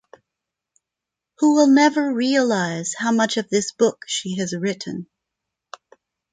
Who will never realize how much of this book she has written.